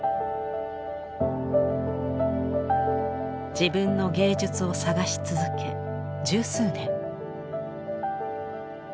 自分の芸術を探し続け十数年。